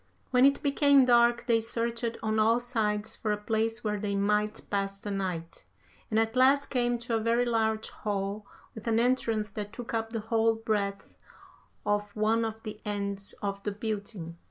When it became dark, they searched on all sides for a place where they might pass the night, and at last came to a very large hall with an entrance that took up the whole breadth of one of the ends of the building.